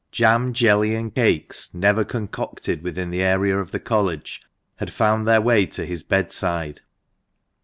Jam, jelly, and cakes, never concocted within the area of the College, had found their way to his bedside.